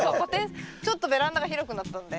ちょっとベランダが広くなったんで。